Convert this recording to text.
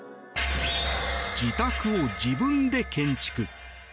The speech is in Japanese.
自宅を自分で建築。